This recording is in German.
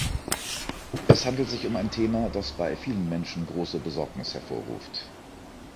Es handelt sich um ein Thema, das bei vielen Menschen große Besorgnis hervorruft.